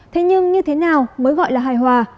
thế nhưng như thế nào mới gọi là hài hòa